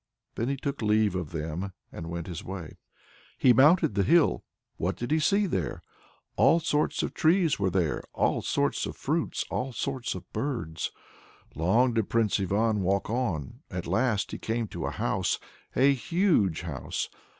Then he took leave of them and went his way. He mounted the hill. What did not he see there? All sorts of trees were there, all sorts of fruits, all sorts of birds! Long did Prince Ivan walk on; at last he came to a house, a huge house!